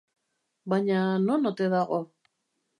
Baina non ote dago?